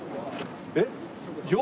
えっ？